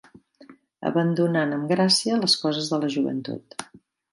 Abandonant amb gràcia les coses de la joventut.